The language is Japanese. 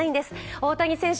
大谷選手